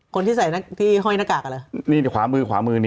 คนที่ใส่ที่ห้อยหน้ากากคล้ามือ